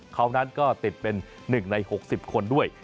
เขานั้นก็ติดเป็น๑ใน๖๐คนด้วย